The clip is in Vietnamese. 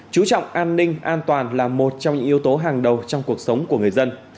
chú trọng an ninh an toàn là một trong những yếu tố hàng đầu trong cuộc sống của người dân